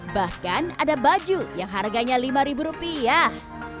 bahkan ada baju yang harganya lima ribu rupiah